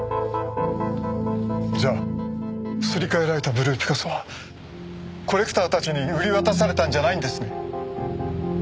じゃあすり替えられたブルーピカソはコレクターたちに売り渡されたんじゃないんですね？